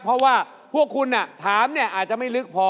เพราะว่าพวกคุณถามอาจจะไม่ลึกพอ